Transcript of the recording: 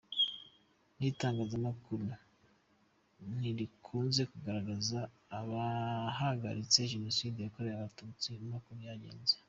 N’itangazamakuru ntirikunze kugaragaza abahagaritse jenoside yakorewe Abatutsi n’uko byagenze.